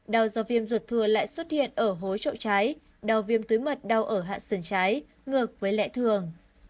đau do viêm ruột thừa lại xuất hiện ở hối trậu trái đau viêm tưới mật đau ở hạ sần trái ngược với lẽ thường